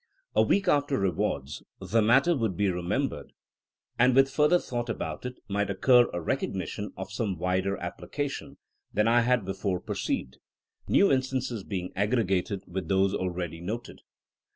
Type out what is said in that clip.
A week after wards, possibly, the matter would be remem 86 THINKINa AS A SCIENCE bered ; and with further thought about it, might occur a recognition of some wider appUcation than I had before perceived : new instances be ing aggregated with those already noted.